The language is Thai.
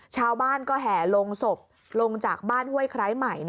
ชาวบ้านก็แห่ลงศพลงจากบ้านห้วยไคร้ใหม่